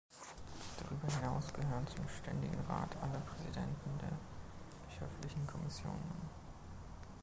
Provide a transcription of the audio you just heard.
Darüber hinaus gehören zum Ständigen Rat alle Präsidenten der Bischöflichen Kommissionen.